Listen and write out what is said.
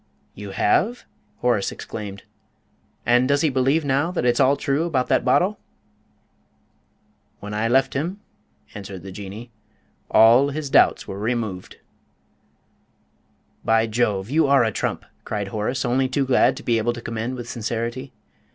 "You have?" Horace exclaimed. "And does he believe now that it's all true about that bottle?" "When I left him," answered the Jinnee, "all his doubts were removed." "By Jove, you are a trump!" cried Horace, only too glad to be able to commend with sincerity.